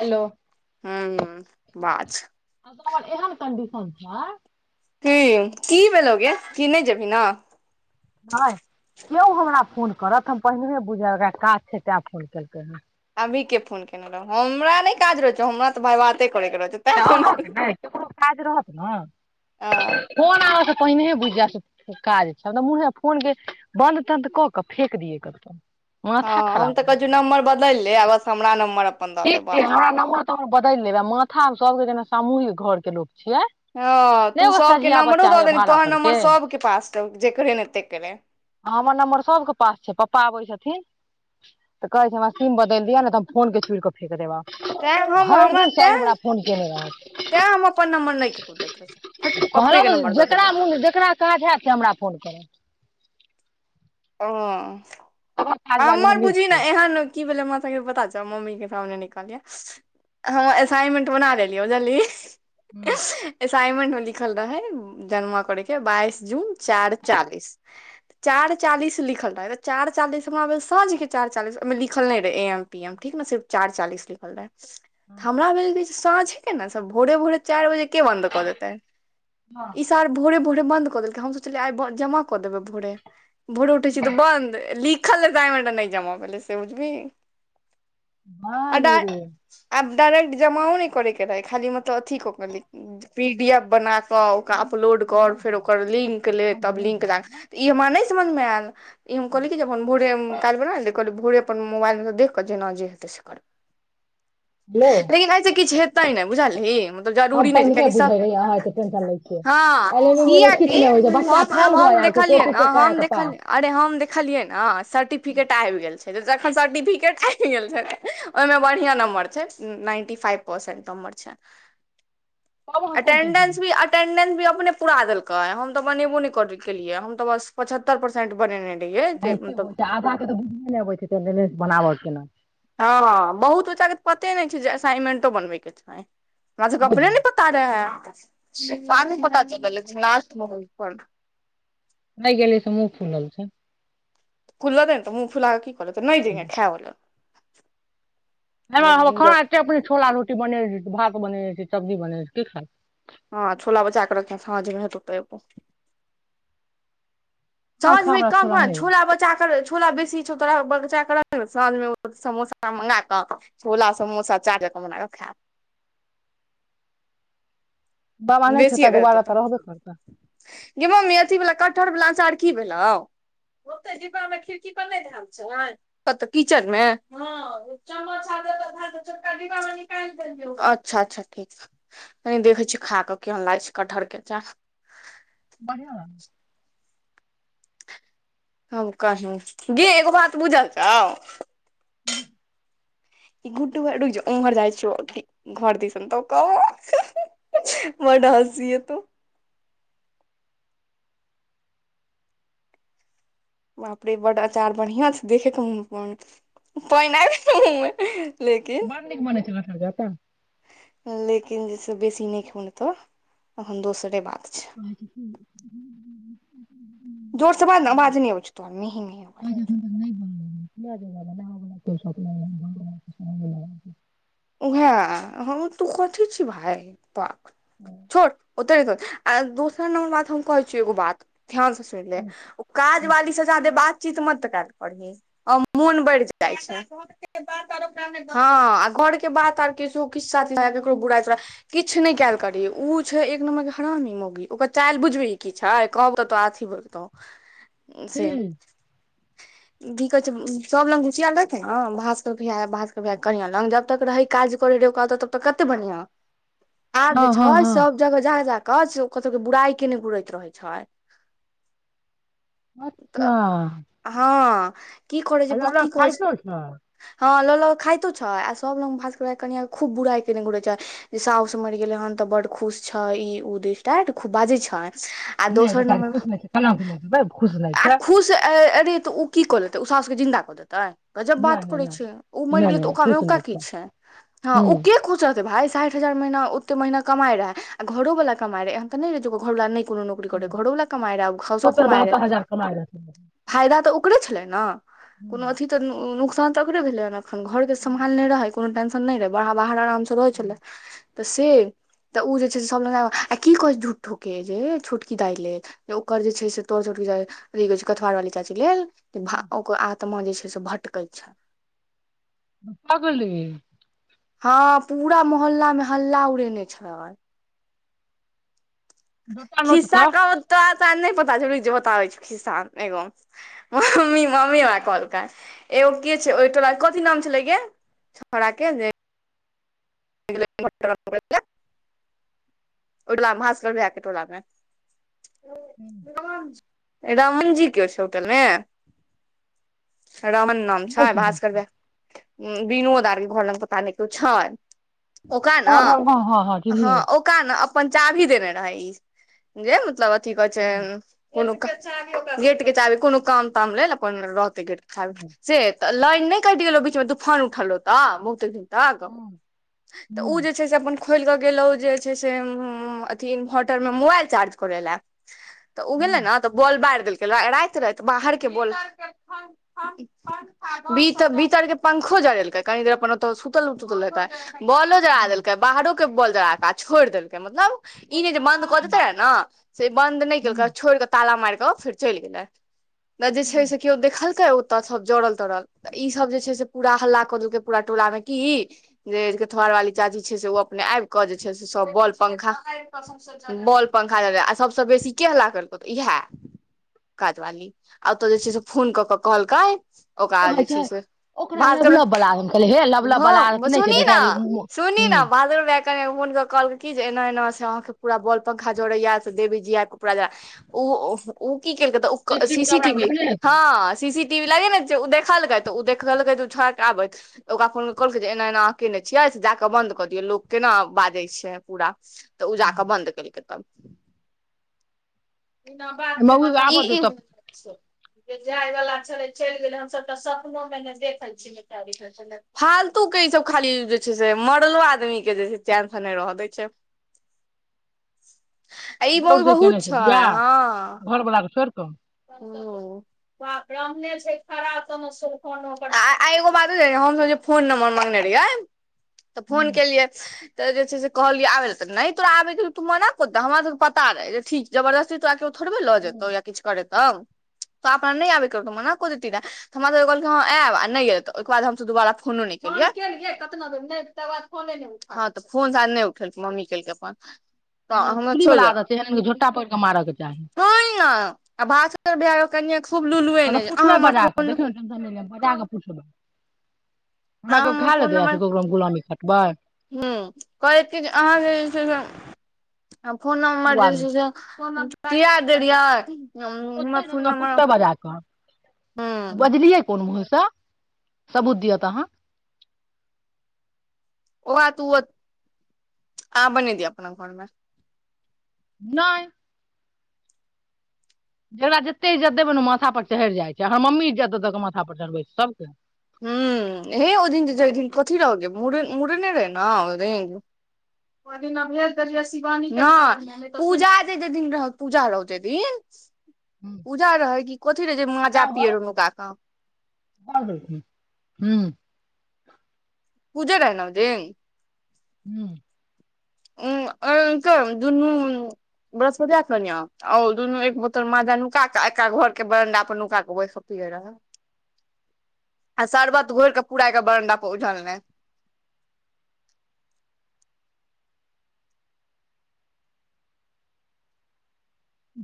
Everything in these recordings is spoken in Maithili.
हेलो हू बाज हमर एहन कंडीशन छ ह कि भेलौगे कि नहि जेबही ने नहि कियो हमरा फोन करत हम पहिने बुझल काज छै तेँ फोन केलकै हेँ अभी फोन केने रहौ, हमरा नहि काज रहै छै। हमरा त भाय बाते करय के रहैत छै। तैं तऽ फोन अहत केलौ। नहि ककरो काज रहत ने हँ फोन आबय से पहिने बुझि जा स काज छै हम तो मुन होय‌फोन के बंन्द तंन्द कऽ क फेेक दियए करतौ हँ हम तऽ कहै छी नम्बर बदल ले आबस हमरा नम्बर अपन दऽ ठीक दे छै बस हमरा नम्बर त हम बदलि लेब आ माथा सबके जेना सामूहिक घर के लोक छियै हँ, नै तू एगो सभके सझिया नम्बर बच्चा दऽ होइया देब? भाड़ा तोहर पर नम्बर के सभके पास जकरे ने, तकरे। हमर नम्बर सबके पास छै पप्पा आबै छथिन तऽ कहैत छै हमरा, समय बदलि दिअ ने, तऽ हम फोन चुड़ि कऽ फेंकि देब। तैं भरि दिन सब हमरा फोन केने रहत तै हम आपन नंबर नई काकरो देल लौ कहलहुँ पापा के तऽ नंबर दा जेकरा देललौ मोन जेकरा काज हयैत त हमरा फोन करब ह ओकर काज वाली हमर हमही बुझी ने छियै एहन की भेले मासा के पता छ मम्मी के सामने नई काहलिय हँ असाइनमेंट बना ले लियौ बजलही असाइनमेंट मे लिखल रहेै जन्मा करे के बाइस जून चारि चालीस चारि चालीस लिखल रहै चारि चालिस हमरा मने साँझके चारि चालीस ओहिमे लिखल नहि रहै ए एम ठिक न चार चालिस लिखल रहेयल हमरा भेल जे लगलिय साँझ कऽ न भोरे भोरे चार बजे के बन्द कऽ देतै। र भोरे भोरे बन्द कऽ देलकै हम सोचलिय आ जमा कऽ देबै भोरे भोर उठै छी तऽ बन्द लिखल तायमे नहि जमा भेल से बुझबी हँ जीरे आब डायरेक्ट जमाओ ने करे के रहे खाली मतलब अथी क के पी डी एफ बना तऽ ओकरा हम अपलोड जे कर नहि फेर ओकर गेलहुँ हँ लिंक यौ लेत हम जे तब नहि लिंक लाग गेलहुँ हँ तऽ ई हमरा नहि समझमे आयल ई हम कहली जे अपन भोरे काल्हि बना ने कहली। भोरे अपन मोबाइल में देखि कऽ जेना जे हेतै, से करबै। यौ लेकिन एहिसँ किछु हेतै नहि बुझलहि मतलब हम जरूरी नहि छै पहिनेहे किएकि सभ बुझै रहियै अहाँ एते टेंशन लै छियै हँ एलएनएम मे किछु कियाकि नहि होइ छै बच्चा फेल भऽ हम जाइ छै देखलियै कॉपी ने चेक करा हम कऽ पास देखलिय अरे हम देखलियै ने सर्टिफिकेट आबि गेल छै तऽ जखन सर्टिफिकेट आबि गेल छल ओहिमे बढ़िआं नम्बर छै नाइन्टी फाइव परसेंट नम्बर छै तब अहाँ कोन टेंशन अटेडेस भी अटेंडेंस भी अपने पूरा देलके हम तऽ बनेबो नहि कर केलिये हम तऽ बस पचहत्तर परसेंट बने हो आधाे त बुझे नहि अबैत छै लेनेस बनाब के ने हँ बहुत बच्चा के तऽ पते नहि छै जे असाइमेंटो बनबे के छै हमरा सभके अपने बुझियौ ने पता तेँहि के पता लागल। [inaudible] नहि गेलियै से मुह फूलल छै फूल दही दे ने तऽ मुफुला कऽ कि कालेता तऽ नई जहि छै या खाय लै एमे खाना अपने छोला रोटी बन भात बने छै सब्जी बने छै की खा छै हँ छोला बचा क रख साँझमे हत त एोबो हमरा खा समझमे हमरा कह नहि य छोला बचा कर छोला बेसी कि तोरा बगचा कर साँझ मे समोसा मंगाक छोला समोसा चाट जेका बना क खाब बाबा नहि खेतऽ दुबारा तऽ रहबे करतै गय ममी अथी कटहर वलाअचार की भेलो ओतै डिब्बा मे खिड़की परनौ कत किचन मे ह समोसा दे छोटका डिब्बा में अच्छा अच्छा ठीक कनि देखै छी खा कऽ केन लागै छै कटहर के अचार बढ़िआ ल हम कही गे एगो बात बुझल छौ हू। खुटू वैर रूक जो उम्हर जाय छियो घर दिस तकौ बड हस्सीआतौ बाप रे बड अचार बढ़ियां छै देख पानि आबि गेल मुँह मे लेकिन मने चला जाइत छी तऽ? लेकिन जे छै, बेसी नीक होइत तऽ तखन दोसरे बात छै। भ जोर से बाद ने आवाज नहि हो छै तो नहि आ ज [unintelligible] हँ हम तऽ कथी छी भइ पाक ह [inaudible] ओत आ दोसर नम्बर बाद हम कहै छिय एगो बात ध्यान से सुन ले ओ काज वाली से जादे बातचीत मत तऽ क करी मोन बढ़ जाइ छै ह घर के बात आर के किछु साथ ल केकरो बुराइ तुराइ किछु नहि कयल करी ओ छै एक नम्बर के हरामी मौगी ओकर चालल बुझबै किछ छै कहब तऽ तो आथी बताउ से की कहै छै सब लंग घुसियाएल रहैछै न घास भात भ कढ़िया लग जब तक रहै काज करै रहय ओ तब तक कते बढ़िआं आब हँ जे हँ छै हँ सभ जगह जाह जा क से कत के बुराइ केने घुुरैत रहे छै तऽ अच्छा हँ की करै छै आ लौरा की कहै छै खाइतो हँ लऽ ल खातो छ सभ लग भास करबा कनिआ खूब बुराई केने घुरै छै जे साउसुसँ मरि गेलै हन तऽ बड्ड खुश छह ई ओ दिश देट खूब बाजै छह आ नहि दोसर बेचारी नंबर खुश नहि छै कलंक नहि छै खुश नहि आ छै खुश ए अरे तऽ ओ की कऽ देेतै ओ सास क जिन्दा कऽ देतै जब बात नहि नहि करै छै ओ नहि मरि नहि गेलै तऽ नहि ओक खुश मेका नहि की छै हँ हूँ ओ के [unintelligible] खुच रहतै भाय साठि हजार महीना ओते महीना कमाय रहै आ घरोवला कमाय रहै एहन तऽ नहि रहै जे ओकर घरवाला नहि कोनो नौकरी करै घरोवला कमाय रहै घसो सत्तर कमाय बहत्तर हजार कमाय रहथिन फायदा तऽ ओकरे छलै ने कोनो हम्म अथी तऽ नुकसान तऽ ओकरे भेलै ह ने एखन घरके सम्हाल नहि रहै कोनो टेंशन नहि रहै ब बाहर आरामसँ रहै छलै तऽ से तऽ ओ जे छै से सभ लग आ की कहै झूठोकके जे छोटकी दाई लेल ओकर जे छै से तोड़ चोटकी अथी कह छै कथवार वाली चाची क लेल जे भ ओकर आत्मा जे छै से भटकै छै भगलै हँ पूरा मोहल्ला में हल्ला उड़ेने छल दूटा नोत खिस्सा तऽ क तो त नहि पता बताबै छै खिस्सा एगो मम्मी मम्मी हमरा कहलकै एगो के छै ओहि टोला कथी नाम छेलै गे छौड़ा के वे [unintelligible] ओटलाकर भके टोलामे हूँ रामण जी के हो छै होटल मे रामन नाम नहि छै छलै भकर विनोद आरके घर लग पता नहि के छै ओक ने हँ हँ हँ हँ हँ चिन्हलियै ओ का ने अपन चाभी देने रहै जे मतलब अथी कहै छै हँ कोनो काम गेट के चाहबी कोनो काम ताम लेल अपन रहतै गेट के चाहबी हँ से त उ लाइन न कैट गेलउ बीच म बहुते दिन तक हँ उ हँ जे से जे छै से अपन खोलिकऽ गेलहुँ जे छै से इनभोटर म मोबाइल चार्ज करय ल त उ गेलइ न तऽ बॉल बारि देलकै राइत रा बाहर के बॉल बीत बीतर के पंखो जरेलकै कनि देर अपन ओतौ सुतल उतल हेतै बोलो जरा हँ देलकै बाहरो के बोलो जरा कऽ छोड़ि देलकै मतलब ई ने जे बंद कऽ देते रहे ने से बन्द नहि हँ केलक छोड़ के ताला मार के फेर चलि गेले त जे छै हँ से केओ देखलकै ओतय सब जड़ल तड़ल तऽ ईसभ जे छै से पूरा हल्ला कऽ देलकै पूरा टोला मे की जे थोहर वाली चाची छै से ओ अपने आबि कऽ जे छै से सब बल पंखा बॉल पंखा देे आ सबसँ बेसी के हल्ला करतौ तऽ इएहा काज़वाली आ ओतय जे छै से फोन कऽ क कहलक की ओकरा द कहै जे छै से [unintelligible] ओकरा लबलब बला हम कहलियै हे नै लबलब बला अथी नहि छै बेचारी हूँ हुनकर कहलकै कि जे एना एना से अहाँके पूरा बौल पंखा जड़ैये से देवी जी आबिकऽ पूरा जरा ओ ओ की कलक तऽ सीसीटीवी सी कैमरा मे टीवी देखने हेतै हँ सी टिवी लागे ने ओ देखलकै तऽ ओ देखलकै छौड़ा के आबैत ऽ ओरा फोन कहलकै जे एना एना अहके के नहि छियै से जा कऽ बन्द कऽ दियौ लोक केना बाजै छै पूरा तऽ उ जा के बन्द केलकै तब ना बात के मौगी बता आबऽ दियौ तब जे जाय वाला छले चलि गेलै हमसभ तऽ सपनो मे ने देखे छी फालतू के ई सब खाली जे छै से मरलो आदमी के जे छै चैन सँ नहि रह दै छै ई बहु बहुत छै हँ। घरबला के छोड़ि कऽ ओ बा ब्राह्मणे छै खराब तऽमो आ एगो बाते हमस फोन नंबर मांगगने रहिय तऽ फोन हम्म केलियै तऽ जे छै से कहलिय आबे ल नहि तोरा आबे के तू मना करत हमरा सब पता रहे जे ठीक जबरदस्ती तोरा थोड़बे लऽ जेतौ हम्म या किछु करेतौ तऽ अपना नहि आबे करत मना कऽ दैतही तऽ हमरा सबके कहलकै हँ ऐब आ नहि एलै तऽ ओहिके बाद हमसभ दुबारा फोनो नहि केलियै [unintelligible] हँ तऽ फोन सा नहि उठलके मम्मी केलकै अपन तऽ मतलब हमरा चुगली छोड़ बला जा आदत छै एहन झोटा पकड़ि कऽ मारऽ के चाही छ आ भास्कर भाइयाक कनिया खुभ लुलुए नहिहाँ हमर फोन भने नइ पुछबै हमरा अहाँ कयो खाए लेल दैए से ककरो हम गुलामी खटबै ह कहैत क जे अहाँके जे छै से फोन एगो नम्बर जे आदमी छै से या द [unintelligible] रहि [unintelligible] हूँ कोन मूंहस सबूत दिय त अहाँ ओ आ तू आ बनी तीय अपना घरमे नहि जकरा जते इज्जत देबै ने ओ माथ पर चढ़ि जाइ छै हमर मम्मी इज्जत दऽ दऽ कऽ माथा पर चढ़बै छै सभके हूॅं एहि दिन ओहि दिन कथी रह मुरे मुुरने रहै न ओ दीन ओइ दिना भेज देलियै शिवानी के नइ पूजा जेत दिन रह पूजा रहू जे दिन हुँ पूजा रहै की कथी रहै जे माँजा पिये रहनू नुका कऽ आ गेलखिन हूँ पूजा रहइ नहि ओदिन हूंम्म ओ अंत दुनू बृहस्पतिया क कनिया औ दुनू एक बोतल मजा नुका क एकरा घर के बरंडा पर नुका के बैस के पिये रहे आ शरबत घोरि कऽ पुरा के बरन्दा पर उझलने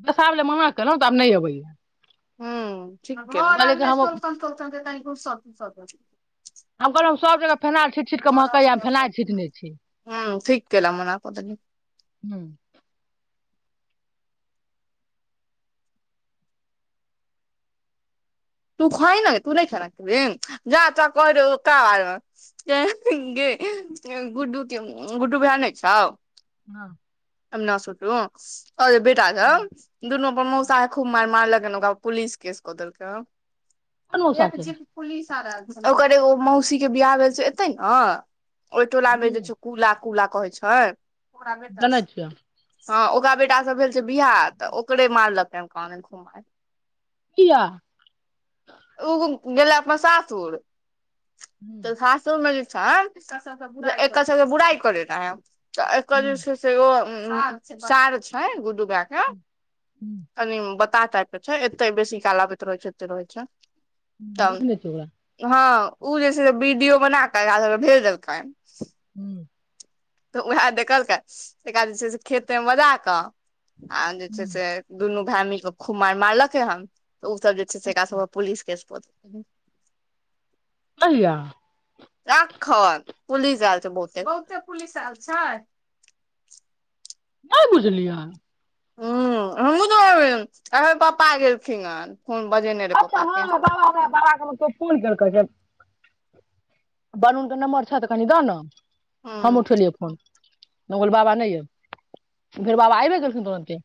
दशहारा मे जे मना केलहुँ तऽ आब नहि अबैया हूं घर और कि में हम सोलकन सोलकन त [unintelligible] स स हम कहलहु हम सभ जगह फेनाइल छीट छीट क महकैय हम फेनाइ छीट नहि छी ह ठीक केलौं मना क देलियै हू तू खाहि न न गै तू नहि खाना खेबही जा त क [unintelligible] क बमे [unintelligible] ग गुडू गुड्डू भए नहि छौ हँ न सुुतनु अर बेटा सब हँ दुनू अपन हँ मोसा क खूब मार मारलक ओकरा पुलिस केस क कोन मौसा छै देलखीन पुलिस सब आयल छलै ओकर एगो मौसी के बियाह भेल छै एते ने ओहि टोला मे जे हुँ छै कुला कुला कहै छ जानै छिय हँ ओकरा बेटा स भेल छै बियाह तऽ ओकरे मारलकहए कान दैन खुबमैर किया। उ गेले अपन सासुर त हुँ सासुर सासुर मेजे छै एकर सब बुराइ करे रह त एकर जे हुँ छै से ओ सार छै गुडु भैया के [inaudible] कनि बता के छै एते बेसी काल आबैत रहै छै एते रहै छै। तऽ देखने छी ओकरा हँ उ जे छै से बीडियो बना कऽ हिनका सब के भेज देलकनि हूं तऽ उएह देखलकै एकरा जे छै से खेतमे बजा कऽ आ जे छै हुँ से दुनू भाय मिल खूब मार मारलकै हन त ओ सभ जे छै से एकरा सभ पुलिस केस प कहिया राखऽन पुलिस आल छै बहुते बहुते पुलिस आयल छै नहि बुझलियन ह हमहुँ अ जा [unintelligible] हए पप्पा गेलखिन हँ हुन बजेने रहे अच्छा पप्पा के हँ बाबा हमरा बहा क तोर देलकै गै बरुन के नम्बर छ तऽ कनि द ने हम हूँ उठलियै फोन हम कहलियै बाबा नहि यऽ फेर बाबा आइबे गेलखिन तुरन्ते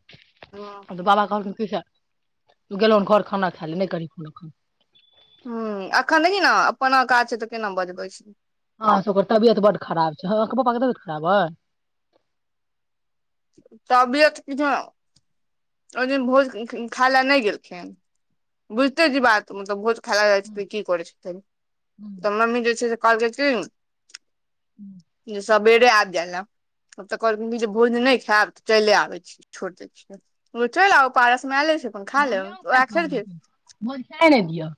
हूँ हं तऽ बाबा कहलखिन के गेलहु घर खाना खाय ले नहि करीन ह, एखन देखी ने अपना काज छै तऽ केना बजबै छै अहाँ सबके तबियत बड खराब छै ह पापा के तबियत खराब यै तबियत कि छै ओ दिन भोज खाय ले नहि गेलखिन बुझते छी बात मतलब भोज। खेला जाइ छै त कि कर छ तऽ म्मी जे छै कलके [inaudible] सभ बेडे आब्य ने आब तऽ कहलखिन जे भोज नहि खायब तऽ चलि आबै छी छोड़ि दै छियै रुचो आ पारस मेलै छै अपन खा बढ़ियां लेब उपाय ओएह करेलहु ले [unintelligible] खेलखिन किन बुझा नहि दिअ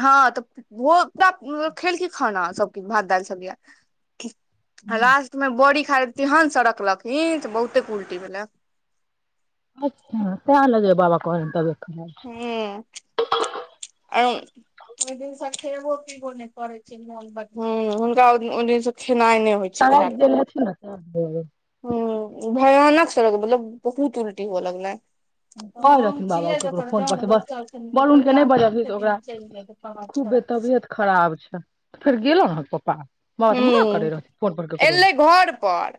हँ तऽ ओ खेलकी खाना सभकछु भात दालि सभ य लास्ट मे बड़ी खा के तेहन सड़कलखिन त बहुते उल्टी भेले अच्छा ताए लगैया बाबा कहलैन तबियत खराब आ ओहि जिनस खबो पबौ ने कर छै हु हुनका ओ दिन से खेनाय नय होय छै [unintelligible] हू भयानक सलक मतलब बहुत उल्टी हुअ लगलैन तऽ कहै हँ हम रहथिन बाबा ओ छियै जेर ककरो फोन पर जन से बस तऽ बलूनके नहि बजबही से ओकरा कहहि खूबे हच्छा तबियत खराब छै फेर गेलो रहौ पापा बात मना करे हूँ रहथि फोन पर ककरो एलै घर पर